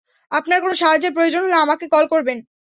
আপনার কোন সাহায্যর প্রয়োজন হলে, আমাকে কল করবেন।